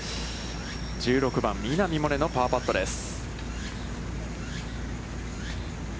１６番稲見萌寧のパーパットです。